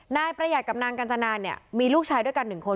นายประหยัดกับนางกัญจนาเนี่ยมีลูกชายด้วยกัน๑คน